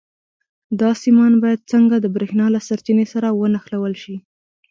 دا سیمان باید څنګه د برېښنا له سرچینې سره ونښلول شي؟